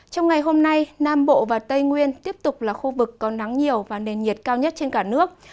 trong ngày hôm nay nam bộ và tây nguyên tiếp tục là khu vực có nắng nhiều và nền nhiệt cao nhất trên cả nước